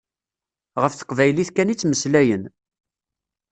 Ɣef teqbaylit kan i ttmeslayen.